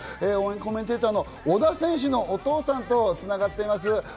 応援コメンテーターの小田選手のお父さんと繋がっています。